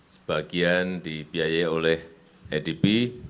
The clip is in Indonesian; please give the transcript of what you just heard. sebagian dibiayai oleh edp